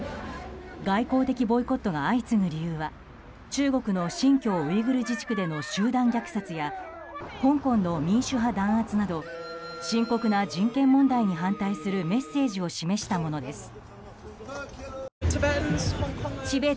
外交的ボイコットが相次ぐ理由は中国の新疆ウイグル自治区での集団虐殺や香港の民主派弾圧など深刻な人権問題に反対するメッセージを示したものです。